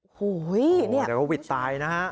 โอ้โหเดี๋ยวเขาหวิดตายนะฮะ